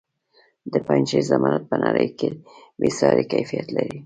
د پنجشیر زمرد په نړۍ کې بې ساري کیفیت لري.